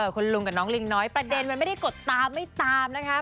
คุณลุงกับน้องลิงน้อยประเด็นมันไม่ได้กดตามไม่ตามนะคะ